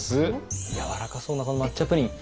やわらかそうなこの抹茶プリン。